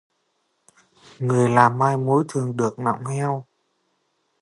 Người làm mai mối thường được nọng heo